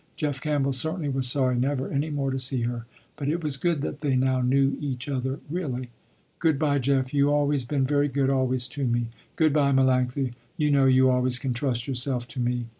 Jeff Campbell certainly was sorry never any more to see her, but it was good that they now knew each other really. "Good bye Jeff you always been very good always to me." "Good bye Melanctha you know you always can trust yourself to me."